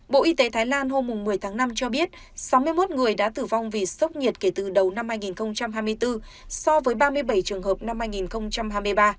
bộ y tế thái lan hôm một mươi tháng năm cho biết sáu mươi một người đã tử vong vì sốc nhiệt kể từ đầu năm hai nghìn hai mươi bốn so với ba mươi bảy trường hợp năm hai nghìn hai mươi ba